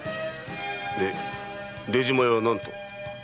で出島屋は何と？